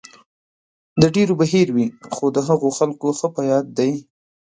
د ډېرو به هېر وي، خو د هغو خلکو ښه په یاد دی.